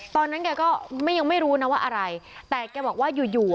ตอนนั้นแกก็ไม่ยังไม่รู้นะว่าอะไรแต่แกบอกว่าอยู่อยู่